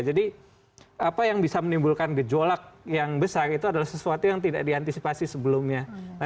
jadi apa yang bisa menimbulkan gejolak yang besar itu adalah sesuatu yang tidak diantisipasi sebelumnya